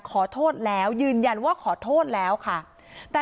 ขอโทษแล้วยืนยันว่าขอโทษแล้วค่ะแต่